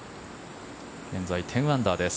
現在１０アンダーです。